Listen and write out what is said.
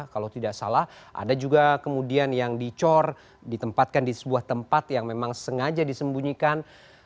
kalau tidak salah ada juga kemudian yang dicor ditempatkan di sebuah tempat yang memang sengaja disembunyikan